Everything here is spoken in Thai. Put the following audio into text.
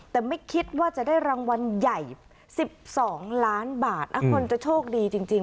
แต่ไม่คิดว่าจะได้รางวัลใหญ่๑๒ล้านบาทคนจะโชคดีจริง